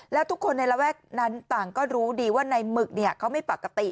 แล้วทุกคนในระแวกนั้นต่างก็รู้ดีว่าในหมึกเขาไม่ปกติ